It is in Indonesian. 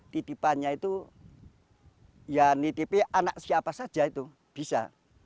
titipannya itu ya nitipi anak siapa saja itu bisa